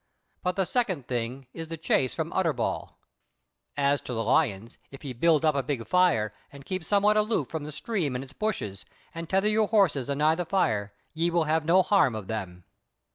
But the second thing is the chase from Utterbol. As to the lions, if ye build up a big fire, and keep somewhat aloof from the stream and its bushes, and tether you horses anigh the fire, ye will have no harm of them."